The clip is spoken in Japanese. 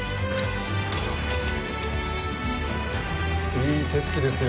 いい手つきですよ